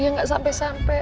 yang gak sampai sampai